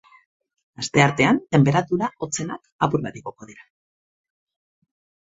Asteartean tenperatura hotzenak apur bat igoko dira.